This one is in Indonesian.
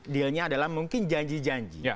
dealnya adalah mungkin janji janji